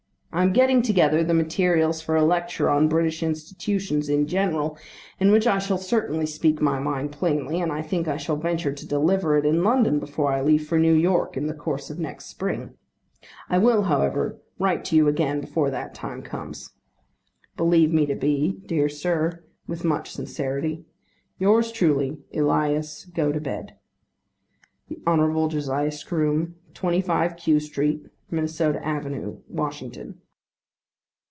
I am getting together the materials for a lecture on British institutions in general, in which I shall certainly speak my mind plainly, and I think I shall venture to deliver it in London before I leave for New York in the course of next spring. I will, however, write to you again before that time comes. Believe me to be, Dear sir, With much sincerity, Yours truly, ELIAS GOTOBED. The Honble. Josiah Scroome, 125 Q Street, Minnesota Avenue, Washington.